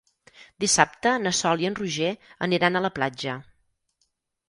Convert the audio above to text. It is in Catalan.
Dissabte na Sol i en Roger aniran a la platja.